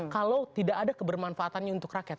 kalau tidak ada kebermanfaatannya untuk rakyat